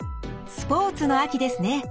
スポーツの秋ですね。